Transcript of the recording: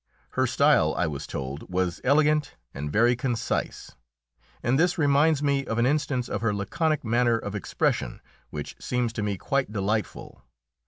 Her style, I was told, was elegant and very concise, and this reminds me of an instance of her laconic manner of expression which seems to me quite delightful.